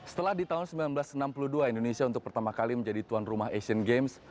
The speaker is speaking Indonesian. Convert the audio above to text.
setelah di tahun seribu sembilan ratus enam puluh dua indonesia untuk pertama kali menjadi tuan rumah asian games